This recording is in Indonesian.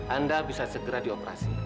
anda bisa segera dioperasi